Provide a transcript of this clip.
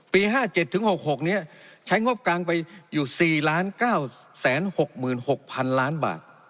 ปีห้าเจ็ดถึงหกหกเนี้ยใช้งบกลางไปอยู่สี่ล้านเก้าแสนหกหมื่นหกพันล้านบาท